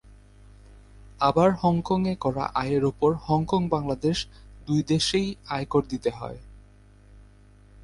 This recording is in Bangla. আবার হংকংয়ে করা আয়ের ওপর হংকং-বাংলাদেশ দুই দেশেই আয়কর দিতে হয়।